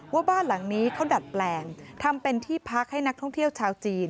ว่าบ้านหลังนี้เขาดัดแปลงทำเป็นที่พักให้นักท่องเที่ยวชาวจีน